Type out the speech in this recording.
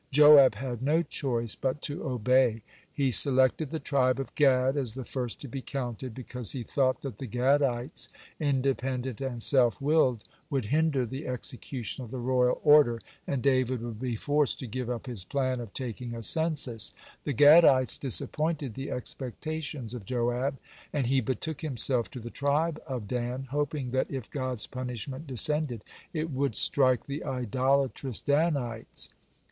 Joab had no choice but to obey. He selected the tribe of Gad as the first to be counted, because he thought that the Gadites, independent and self willed, would hinder the execution of the royal order, and David would be forced to give up his plan of taking a census. The Gadites disappointed the expectations of Joab, and he betook himself to the tribe of Dan, hoping that if God's punishment descended, it would strike the idolatrous Danites.